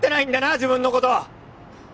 自分のこと！